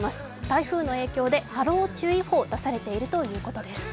台風の影響で波浪注意報が出されているということです。